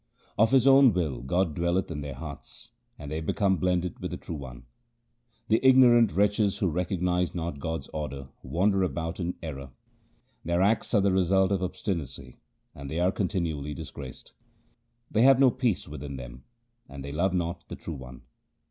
Of His own will God dwelleth in their hearts ; and they become blended with the True One. The ignorant wretches who recognize not God's order, wander about in error. Their acts are the result of obstinacy, and they are con tinually disgraced. They have no peace within them, and they love not the True One.